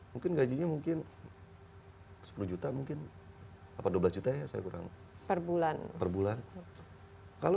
mungkin gajinya mungkin sepuluh juta mungkin apa dua belas juta ya saya kurang perbulan perbulan kalau